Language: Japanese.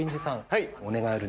はい。